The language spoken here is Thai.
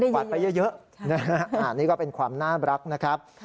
วาดไปเยอะอันนี้ก็เป็นความน่ารักนะครับ